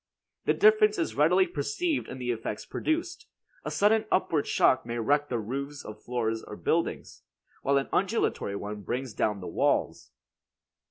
The difference is readily perceived in the effects produced. A sudden upward shock may wreck the roofs or floors of buildings, while an undulatory one brings down the walls.